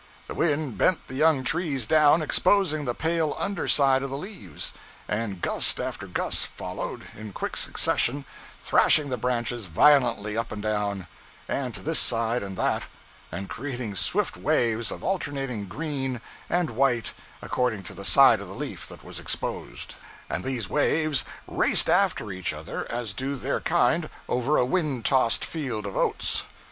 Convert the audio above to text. The wind bent the young trees down, exposing the pale underside of the leaves; and gust after gust followed, in quick succession, thrashing the branches violently up and down, and to this side and that, and creating swift waves of alternating green and white according to the side of the leaf that was exposed, and these waves raced after each other as do their kind over a wind tossed field of oats.